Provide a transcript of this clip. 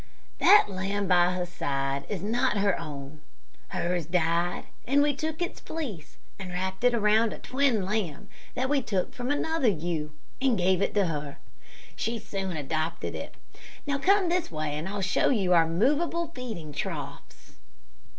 "That lamb by her side is not her own. Hers died and we took its fleece and wrapped it around a twin lamb that we took from another ewe, and gave to her. She soon adopted it. Now, come this way, and I'll show you our movable feeding troughs."